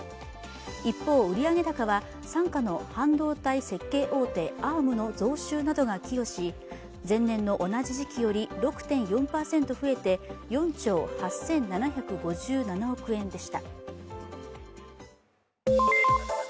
一方、売上高は傘下の半導体設計大手アームの増収などが寄与し前年の同じ時期より６．４％増えて４兆８７５７億円でした。